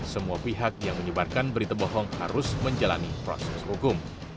semua pihak yang menyebarkan berita bohong harus menjalani proses hukum